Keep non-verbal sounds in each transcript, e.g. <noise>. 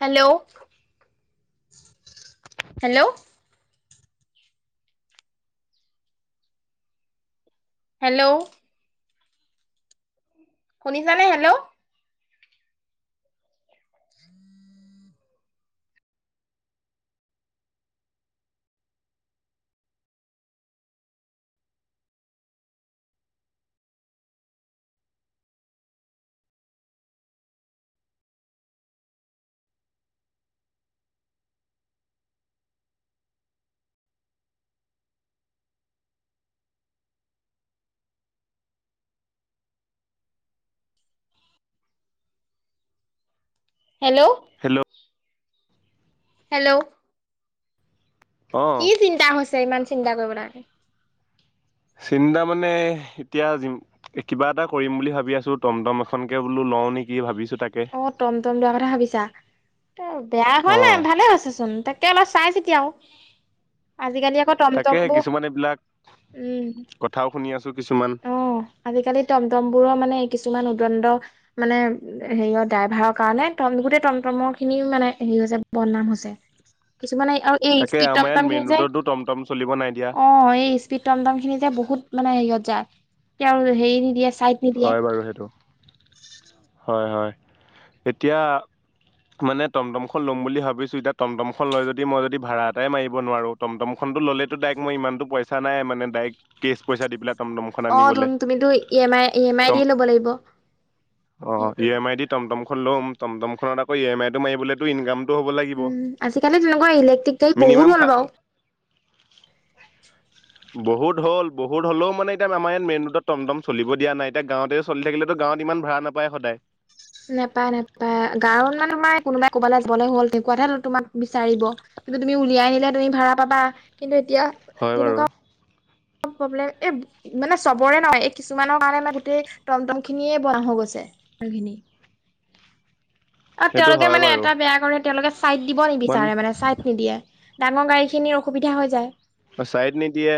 Hello hello hello শুনিছানে hello hello hello hello অ কি চিন্তা হৈছে, ইমান চিন্তা কৰিব নালাগে। চিন্তা মানে, এতিয়া যি কিবা এটা কৰিম বুলি ভাবি আছোঁ, টমটম এখনকে বোলো লও নেকি, ভাবিছোঁ তাকে। অ', টম টম লোৱা কথা ভাবিছা। ত' বেয়া অ হোৱা নাই, ভালে হৈছে চোন, তাক অলপ চাই চিতি আও, আজিকালি আকৌ তাকে টমটম বোৰ কিছুমান এইবিলাক উম কথাও শুনি আছোঁ কিছুমান অ', আজিকালি টমটম বোৰৰ মানে কিছুমান উদণ্ড মানে হেৰিয় ড্ৰাইভাৰৰ কাৰণে গোটেই টমটমৰ খিনি মানে হেৰি হৈছে বদনাম হৈছে কিছুমানে আৰু এই তাকে স্পীড আমাৰ ইয়াত টমটম মেইন খিনি যে ৰোডতো টমটম চলিব নাই দিয়া অ' এই স্পীড টমটম খিনি যে বহুত মানে হেৰিয়ত যায় তেওঁ হেৰি নিদিয়ে চাইড নিদিয়ে হয় বাৰু সেইটো হয়, হয়, এতিয়া মানে টমটম খন ল'ম বুলি ভাবিছোঁ, এতিয়া টমটম খন লৈ যদি মই যদি ভাড়া এটাই মাৰিব নোৱাৰোঁ টমটম খনটো ল'লেতো ডাইৰেক্ট মই ইমানটো পইচা নাইানে ডাইৰেক্ট কেচ পইচা দি পেলাই টমটমখন অ', আনিবলৈ তুমিতো E M I, E M I টম দি ল'ব লাগিব অ', ই এম আই দি টমটমখন ল'ম টমটম খনত আকৌ ই এম আই টো মাৰিবলৈ ইনকামটো হ'ব লাগিব উম আজিকালি তেনেকুৱা ইলেক্ট্ৰিক গাড়ী বহুত মিনিমাম হ'ল বাৰু <inaudible> বহুত হ'ল বহুত হলেও মানে এতিয়াও আমাৰ ইয়াত মেইন ৰোড টমটম চলিব দিয়া নাই এতিয়া গাঁৱতে চলি থাকিলেতো গাঁৱত ইমান ভাড়া না পায় সদায় নাপায়, নাপায়, গাঁৱত মানে তোমাৰ কোনোবাই ক'বালৈ গলে হ'ল তেনেকুৱাতহে তোমাক বিচাৰিব কিন্তু তুমি উলিয়াই নিলে তুমি ভাড়া পাবা কিন্তু এতিয়া হয় বাৰু তেনেকুৱা প্ৰব্লেম এই মানে চবৰে নহয় এই কিছুমানৰ কাৰণে মানে গোটেই টমটম খিনিয়ে বন্ধ হৈ গৈছে <inaudible> <inaudible> অ', সেইটো তেওঁলোকে হয় মানে বাৰু এটা বেয়া কৰে তেওঁলোকে চাইড দিব ইমান নিবিচাৰে মানে চাইট নিদিয়ে ডাঙৰ গাড়ীখিনিৰ অসুবিধা হৈ যায়। ছাইড নিদিয়ে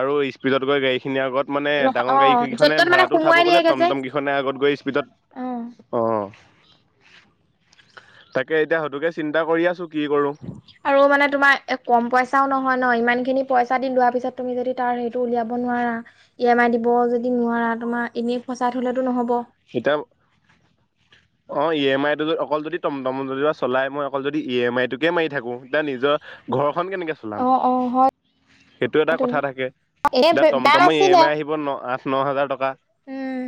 আৰু স্পীডত গৈ গাড়ীখিনি আগত মানে ৰখা অ ডাঙৰ গাড়ী য'ত কেইখনে ত'ত মানে ভাড়াতো সুমুৱাই উঠাব গ'লে দিয়েগে যে টমটম কেইখনে আগত গৈ স্পীডত অ অ' তাকে এতিয়া সেইটোকে চিন্তা কৰি আছোঁ কি কৰোঁ আৰু মানে তোমাৰ কম পইচাও নহয় ন' ইমান খিনি পইচা দি লোৱা পিছত তুমি যদি তাৰ সেইটো উলিয়াব নোৱাৰা ই এম আই দিব যদি নোৱাৰা তোমাৰ এনেই ফচাই থ'লেতো নহ'ব কিতাপ অ', ই এম আই টো অকল যদি টমটম যদি চলাই মই অকল যদি ই এম আই টোকে মাৰি থাকো তে নিজৰ ঘৰখন কেনেকে অ' অ' হয় সেইটো এটা কথা থাকে, এনে এতিয়া বেয়া টমটমে ই এম নাছিলে। আই আহিব ন' আঠ ন' হাজাৰ টকা উম,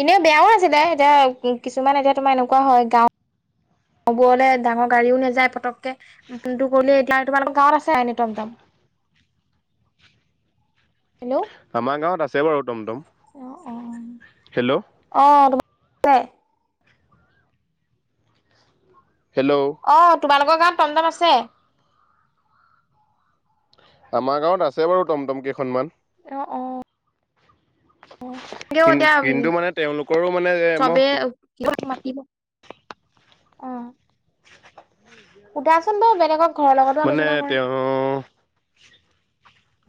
এনে বেয়াও নাছিলে এতিয়া কিছুমান এতিয়া তোমাৰ এনেকুৱা হয় গাঁও অবোৰলে ডাঙৰ গাড়ীয়ো নাযায়, পতককে ফোনটো কৰিলে, এতিয়া তোমালোকক গাঁৱত আছে আ এনে টমটম? হেল্ল'! আমাৰ গাঁৱত আছে বাৰু টমটম। অ', হেল্ল' অ', অ' আছে হেল্ল'! অ', তোমালোকৰ গাঁৱত টমটম আছে? আমাৰ গাঁৱত আছে বাৰু টমটম কেইখনমান। অ', অ'। <unintelligible> কিন- এতিয়া উম, কিন্তু মানে তেওঁলোকৰো মানে এ মই চবে <inaudible> মাতিব অ'। সোধাচোন বাৰু বেলেগক ঘৰৰ লগতো মানে আলোচনা কৰা তেওঁ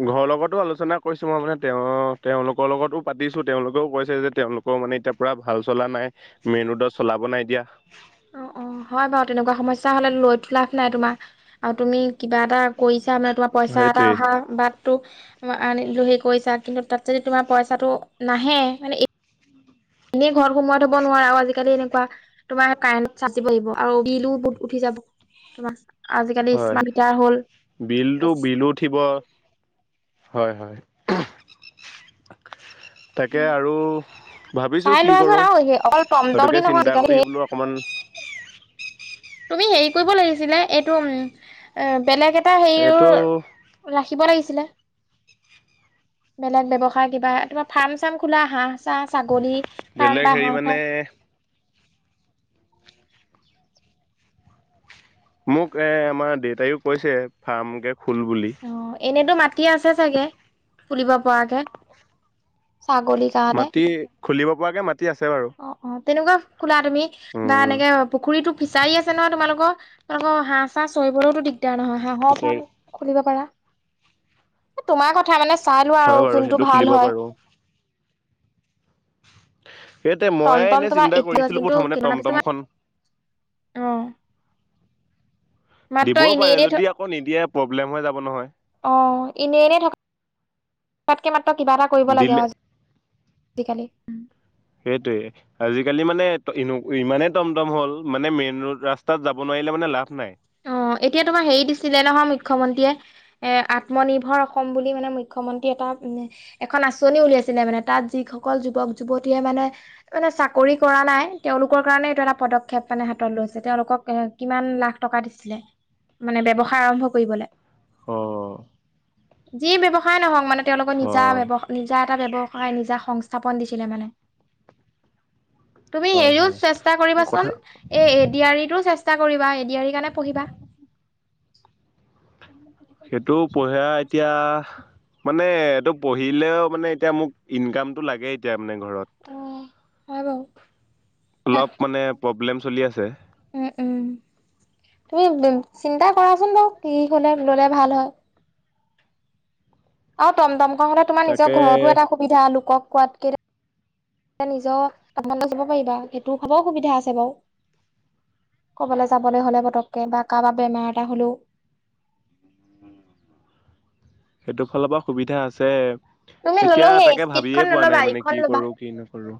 ঘৰৰ লগতো আলোচনা কৰিছোঁ, মই মানে তেওঁ, তেওঁলোকৰ লগতো পাতিছোঁ তেওঁলোকেও কৈছে যে, তেওঁলোক কৰ মানে এতিয়া পুৰা ভাল চলা নাই, মেইন ৰোডত চলাব নাই দিয়া। অ', অ', হয়, বাৰু তেনেকুৱা সমস্যা হ'লে লৈতো লাভ নাই, তোমাৰ আৰু তুমি কিবা এটা কৰিছা মানে, তোমাৰ পইচা এটা সেইটোৱেই অহা বাট টো, আ, হেৰি কৰিছা, কিন্তু তাত যদি তোমাৰ পইচাটো নাহে মানে এই এনেই ঘৰত সোমাই থ'ব নোৱাৰা, আৰু আজিকালি এনেকুৱা তোমাৰ কাৰেণ্টত চাটিব আহিব আৰু বিলো বহুত উঠি যাব, তোমাৰ আজিকালি হয়, স্মাৰ্ট মিটাৰ হ'ল বিলটো, বিলো উঠিব, হয়, হয়। তাকে, আৰু ভাবিছোঁ চাই কি লোৱাচোন কৰোঁ, আৰু অকল টমটম দি সেইটোকে নহয় চিন্তা আজিকালি কৰি বোলো অকণমান তুমি হেৰি কৰিব লাগিছিলে, এইটো উম, এ, বেলেগ এ এইটো ৰাখিব লাগিছিলে। বেলেগ ব্যৱসায় কিবা তোমাৰ ফাৰ্ম, চাৰ্ম খোলা হাঁহ, চাহ, ছাগলী ফাৰ্ম বেলেগ বা হেৰি হাঁহ মানে ফাৰ্ম মোক এ, আমাৰ দেউতাইও কৈছে, ফাৰ্মকে খোল বুলি। অ', এনেতো মাটি আছে চাগে? খুলিব পৰাকে ছাগলী মাটি, খুলিব পৰাকে মাটি আছে বাৰু। অ', অ', তেনেকুৱা খোলা তুমি, বা উম এনেকে পুখুৰীটো ফিচাৰী আছে নহয় তোমালোকৰ, তোমালোকৰ হাঁহ, চাঁহ চৰিবলৈওতো দিগদাৰ নহয়, হাঁহৰ পিছে ফ্ৰাম খুলিব পাৰা। তোমাৰ কথা মানে চাই লোৱা হয় আৰু বাৰু সেইটো যোনটো খুলিব ভাল হয়। পাৰো সেইটোয়ে মই টমটম এনে তোমাৰ চিন্তা এতিয়াও কৰিছিলোঁ কিন্তু প্ৰথমতে কিমানৰ পিছত তোমাৰ টমটমখন অ'। মাত্ৰ দিবও এনেই পাৰে এনেই থ যদি আকৌ নিদিয়ে প্ৰব্লেম হৈ যাব নহয়। অ', এনে, এনে থকাতকে মাত্ৰ কিবা এটা কৰিব লাগে দিলে আৰু আজি আজিকালি সেইটোৱে আজিকালি মানে ইনে-ইমানেই টমটম হ'ল, মানে মেইন ৰোড ৰাস্তাত যাব নোৱাৰিলে মানে লাভ নাই। অ', এতিয়া তোমাৰ হেৰি দিছিলে নহয়, মুখ্যমন্ত্ৰীয়ে এ, আত্মনিৰ্ভৰ অসম বুলি মানে মুখ্যমন্ত্ৰীয়ে এটা এখন আঁচনি উলিয়াইছিলে মানে, তাত যিসকল যুৱক, যুৱতীয়ে মানে মানে চাকৰি কৰা নাই তেওঁলোকৰ কাৰণে এইটো এটা পদক্ষেপ মানে হাতত লৈছে, তেওঁলোকক এ, কিমান লাখ টকা দিছিলে, মানে ব্যৱসায় আৰম্ভ কৰিবলে। অ' যি ব্যৱসায় নহওঁক মানে তেওঁলোকৰ নিজা অ', ব্যৱ নিজা এটা ব্যৱসায় নিজা সংস্থাপন দিছিলে মানে। তুমি হয়, হেৰিও হয়। চেষ্টা কথা কৰিবাচোন, এ এডিয়াৰতো চেষ্টা কৰিবা এডিয়াৰি কাৰণে পঢ়িবা। সেইটো পঢ়ে এতিয়া মানে এইটো পঢ়িলেও মানে এতিয়া মোক ইনকামটো লাগেই এতিয়া মানে ঘৰত। অ', হয় বাৰু। অলপ মানে প্ৰব্লেম চলি আছে। উম, উম তুমি চিন্তা কৰাচোন বাৰু কি হ'লে ললে ভাল হয়। অ', টমটমকণ হলে তোমাৰ নিজৰ তাকে ঘৰতো এটা সুবিধা লোকক কোৱাতকে তে নিজৰ <unintelligible> যাব পাৰিবা সেইটো সবৰ সুবিধা আছে বাৰু। ক'বাল যাবলৈ হ'লে পতককে বা কাৰোবাৰ বেমাৰ এটা হলেওঁ সেইটো ফালৰ পৰা সুবিধা আছে। তুমি এতিয়া ললেও সেই তাকে স্পীডখন ভাবিয়ে পোৱা নল'বা নাই মানে ইখন কি ল'বা কৰো কি নকৰোঁ।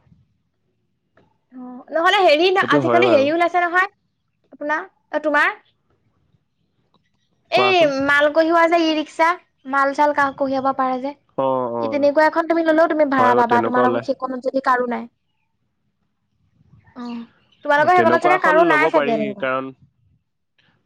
অ', নহ'লে হেৰি সেইটো হয় আজিকালি বাৰু হেৰিও ওলাইছে আ নহয় আপোনাৰ তোমাৰ এই কোৱাচোন। মাল কঢ়িওৱা যে ই ৰিক্সা মাল চাল কাক কঢ়িয়াব পাৰে যে। অ', ই অ'। তেনেকুৱা এখন তুমি ললেও তুমি হয় ভাড়া বাৰু পাবা তেনেকুৱা তোমাৰ ওলাই লগত সেইখনত যদি কাৰো নাই। উম অ' তোমালোকৰ সেইখনত তেনেকুৱা চাগে এখন কাৰো ল'ব নাই পাৰি চাগে তেনেকুৱা। কাৰণ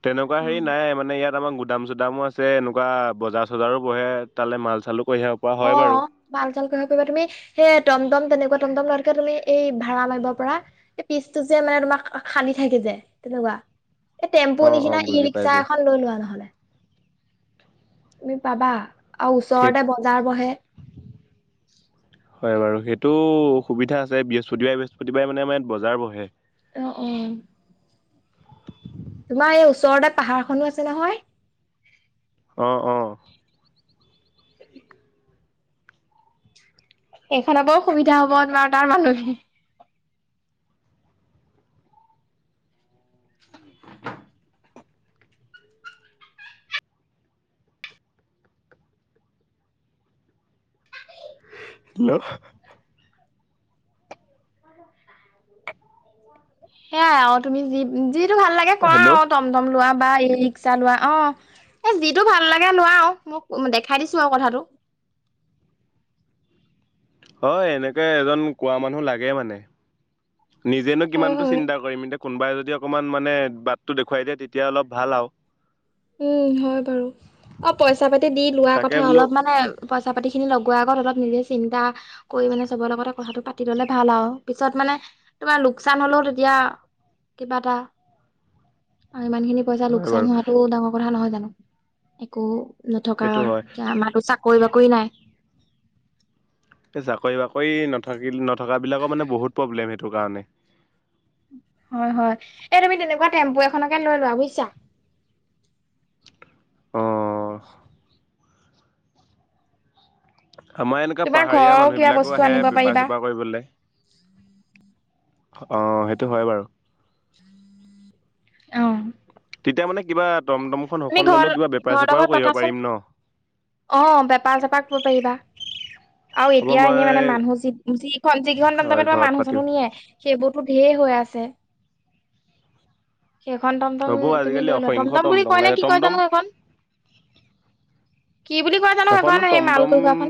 তেনেকুৱা হেৰি নাই মানে ইয়াত তাত আমাৰ গুদাম চুদামো আছে এনেকুৱা বজাৰ চজাৰো বহে তালৈ মাল চালো কঢ়িয়াব পৰা হয় বাৰু। পাল চাল ক পিবা তুমি সেই টমটম তেনেকুৱা টমটম লোৱাতকে তুমি এই ভাড়া মাৰিব পৰা এই পিচটো যে মানে তোমাক খালি থাকে যে তেনেকুৱা। এই টেম্পু অ অ নিচিনা ই বুজি ৰিক্সা পাইছো এখন লৈ লোৱা নহ'লে। তুমি পাবা আৰু সেই ওচৰতে বজাৰ বহে। <inaudible> হয় বাৰু সেইটো সুবিধা আছে বৃহস্পতিবাৰে বৃহস্পতিবাৰে মানে, মানে ইয়াত বজাৰ বহে। অ', অ'। তোমাৰ এই ওচৰতে পাহাৰ খনো আছে নহয়। অ', অহ। এইখনৰ পৰা সুবিধা হ'ব তোমাৰ তাৰ মানুহখিনি হেল্ল'। সেইয়াই আৰু তুমি যি যিটো ভাল লাগে কৰা হেল্ল' আৰু ত টমটম লোৱা বা ই ৰিক্সা লোৱা অ'। এ যিটো ভাল লাগে লোৱা আৰু মোক দেখাই দিছোঁ আৰু কথাটো। হয় এনেকে এজন কোৱা মানুহ লাগে মানে। নিজেনো হয় কিমানটো হয় চিন্তা কৰিম এতিয়া কোনোবাই যদি অকণমান মানে বাটটো দেখুৱাই দিয়ে তেতিয়া অলপ ভাল আৰু। উম হয় বাৰু অ', পইচা পাতি দি লোৱা তাকে কথা বোলো অলপ মানে পইচা পাতি খিনি লগোৱাৰ আগত অলপ নিজে চিন্তা কৰি মানে চবৰ লগতে কথাটো পাতি ললে ভাল আৰু পিছত মানে তোমাৰ লোকচান হ'লেও তেতিয়া কিবা এটা আৰু ইমান খিনি পইচা হয় লোকচান বাৰু হোৱাতো ডাঙৰ কথা নহয় জানো, একো নথকা সেইটো হয় আমাৰ চাকৰি বাকৰি নাই। এ চাকৰি বাকৰি নথাকিল নথকাবিলাকৰ মানে বহুত প্ৰব্লেম সেইটো কাৰণে। হয়, হয় এই তুমি তেনেকুৱা টেম্পু এখনকে লৈ লোৱা বুজিছা। অ'। আমাৰ এনেকুৱা তোমাৰ পাহাৰীয়া ঘৰৰ কিবা মানুহবিলাকো বস্তু আহে আনিব বেপাৰ পাৰিবা। চেপাৰ কৰিবলে। অ সেইটো হয় বাৰু। অ। তেতিয়া মানে কিবা টমটমখন সখত ললেও কিবা বেপাৰ ঘৰৰ লগত চেপাৰো কৰিব পাতাচোন পাৰিম ন। অ বেপাৰ চেপাৰ <inaudible> পাৰিবা। আৰু হ'ব এতিয়া এনেই মানে মই মানুহ যি খন যিইখন হয় তমতমে তোমাৰ ঘৰত মানুহ পাতিম চানুহ নিয়ে সেইবোৰতো ধেই হৈ আছে। সেইখন টমটম হ'ব তুমি আজিকালি লৈ লোৱা, অসংখ্য টমটম বুলি ওলাইছে টমটম খন কি বুলি কয় জানো এখনো সেইখন সেই মাল টমটম টো চোৱাছোন।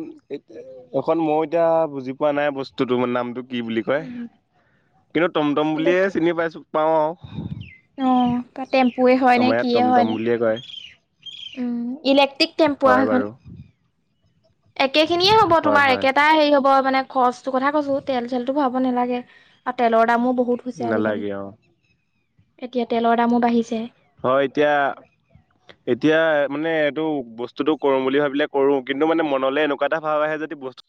এখন মৌ এতিয়া বুজি পোৱা নাই বস্তুটো মই নামটো কি বুলি কয়, সেইটো কিন্তু টমটম বুলিয়ে চিনি পাইছোঁ পাওঁ আওঁ। অ' টেম্পুৱে হয় আম নে ইয়াত কিয়ে তম হয় তম নে বুলিয়ে কয়। উম, ইলেক্ট্ৰিক টেম্পু আৰু হয় সেইখন। বাৰু। একে খিনিয়ে হ'ব হয় তোমাৰ হয় একেটাই হেৰি হব মানে খৰচটো কথা কৈছো তেল চেলটো ভব নালাগে আৰু তেলৰ দামো বহুত হৈছে আজিকালি। নালাগে অ' এতিয়া তেলৰ দামো বাঢ়িছে। হয় এতিয়া এতিয়া মানে এইটো বস্তুতটো কৰো বুলি ভাবিলে কৰো, কিন্তু মানে মনলৈ এনেকুৱা এটা ভাৱ আহে যদি বস্তু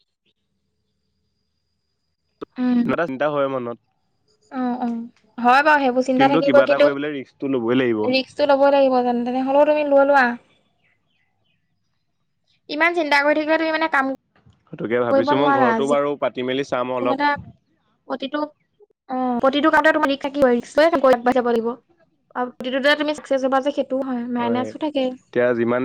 কিবা এটা চিন্তা হয় মনত। উম, উম, হয় বাৰু সেইবোৰ চিন্তা কিন্তু কিবা থাকিবই এটা কিন্তু কৰিবলৈ ৰিস্কটো ল'বই লাগিব ৰিক্স টো লব লাগিব জেনে তেনে হ'লেও তুমি লৈ লোৱা। ইমান চিন্তা কৰি থাকিলে তুমি মানে কাম সেইটোকে কৰিব ভাবিছো, মই নোৱাৰা ঘৰতো বাৰু পাতি মেলি চাম যিকোনো অলপ। এটা প্ৰতিটো অ প্ৰতিটো কাৰণ তুমি ৰিস্ক থাকিবয়ে <inaudible> লাগিব। আৰু প্ৰতিটোতে তুমি সক্সেছ হবা যে সেইটোও হয়, মাইনাছো থাকে। এতিয়া যিমান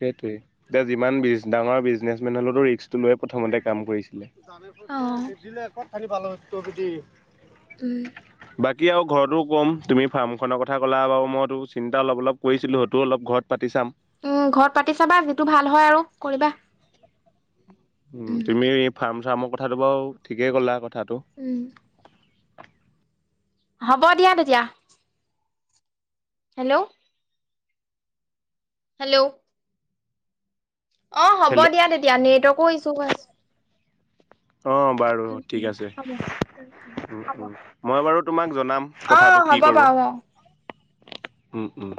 সেইটোৱে, এতিয়া যিমান বি ডাঙৰ বিজনেচমেন হলেও ৰিক্সটো লৈ প্ৰথমতে কামটো কৰিছিলে। অ, জানেটোকে <inaudible> ক'ত খালি ভাল ত যদি। উম। বাকী আৰু ঘৰতো ক'ম, তুমি ফাৰ্মখনৰ কথা ক'লা বাৰু মইতো চিন্তা অলপ অলপ কৰিছিলোঁ সেইটোও অলপ ঘৰত পাতি চাম। উম, ঘৰত পাতি চাবা যিটো ভাল হয় আৰু কৰিবা। উম, তুমি ফাৰ্ম চাৰ্মৰ কথাটো বাৰু ঠিকেই ক'লা কথাটো। উম। হ'ব দিয়া তেতিয়া। হেল্ল হেল্ল অ হ'ব হেল্ল' দিয়া তেতিয়া নেটৱৰ্কো ইচছ্যু হৈ আছে। অ বাৰু উম, ঠিক উম। আছে। হ'ব। মই বাৰু তোমাক জনাম অ কথাটো কি হ'ব কৰো। বাৰু অ উম উম।